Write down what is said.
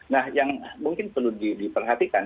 nah yang mungkin perlu diperhatikan